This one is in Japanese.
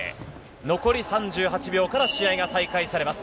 残り３８秒から試合が再開されます。